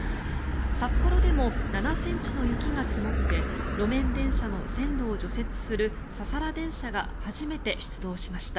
札幌でも７ｃｍの雪が積もって路面電車の線路を除雪するササラ電車が初めて出動しました。